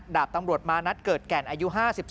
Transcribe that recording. ดาบตำรวจมานัดเกิดแก่นอายุ๕๒